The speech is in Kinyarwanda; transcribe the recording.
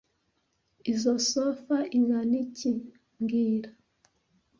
Izoi sofa ingana iki mbwira